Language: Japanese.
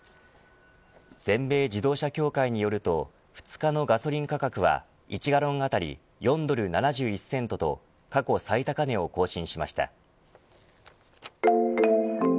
全米自動車協会によると２日のガソリン価格は１ガロン当たり４ドル７１セントと過去最高値を更新しました。